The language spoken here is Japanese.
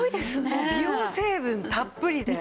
もう美容成分たっぷりで。